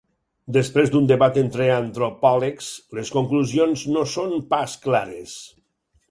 Després d'un debat entre antropòlegs, les conclusions no són pas clares.